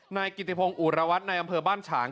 นายกิติพงศ์อุรวัตรในอำเภอบ้านฉาง